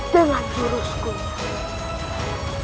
jalan juru sekolah